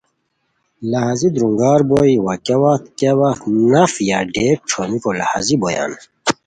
لہازی درونگار بوئے وا کیا وت کیا وت نف یا ڈیک ݯھومیکو لہازی بویان